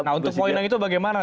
nah untuk koinang itu bagaimana